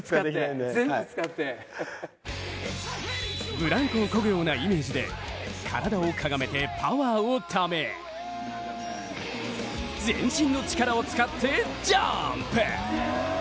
ブランコをこぐようなイメージで体をかがめてパワーをため全身の力を使ってジャンプ！